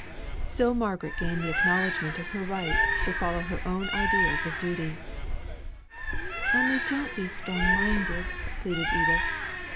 So Margaret gained the acknowledgment of her right to follow her own ideas of duty. "Only don't be strong minded," pleaded Edith.